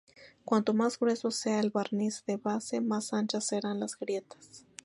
Cuanto más grueso sea el barniz de base, más anchas serán las grietas.